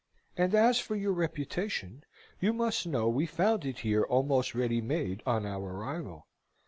And as for your reputation, you must know we found it here almost ready made on our arrival.